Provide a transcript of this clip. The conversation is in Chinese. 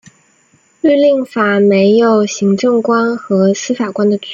律令法没有行政官和司法官的区别。